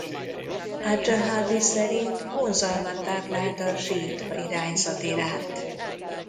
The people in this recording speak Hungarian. Adz-Dzahabi szerint vonzalmat táplált a síita irányzat iránt.